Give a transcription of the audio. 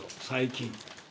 最近。